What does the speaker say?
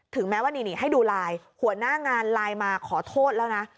แม้ว่านี่ให้ดูไลน์หัวหน้างานไลน์มาขอโทษแล้วนะ